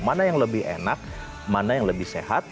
mana yang lebih enak mana yang lebih sehat